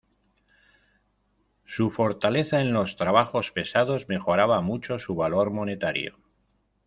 Su fortaleza en los trabajos pesados mejoraba mucho su valor monetario.